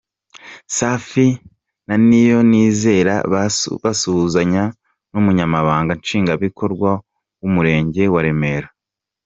Safi na Niyonizera basuhuzanya n’umunyamabanga Nshingwabikorwa w’umurenge wa Remera.